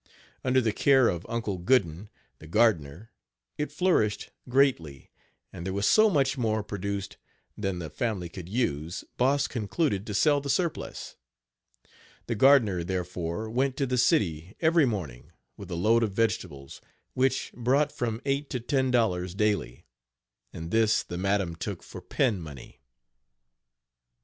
Under the care of Uncle Gooden, the gardner, it flourished greatly; and there was so much more produced than the family could use, Boss concluded to sell the surplus. The gardner, therefore, went to the city, every morning, with a load of vegetables, which brought from eight to ten dollars daily, and this the madam took for "pin money."